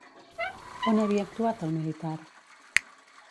On havia actuat el militar?